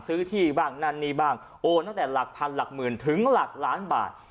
ซื้อที่บ้างนั่นนี่บ้างโอนตั้งแต่หลักพันหลักหมื่นถึงหลักล้านบาท